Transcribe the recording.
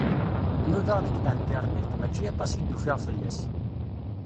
Nudaɣ deg internet, mačči aṭas i d-ufiɣ fell-as.